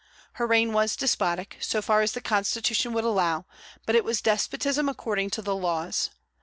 Her reign was despotic, so far as the Constitution would allow; but it was a despotism according to the laws.